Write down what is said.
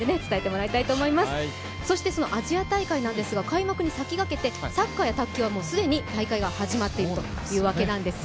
アジア大会なんですが、開幕に先駆けて、サッカーや卓球は、すでに大会が始まっているというわけなんです。